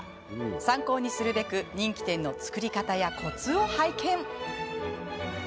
参考にするべく人気店の作り方やコツを拝見。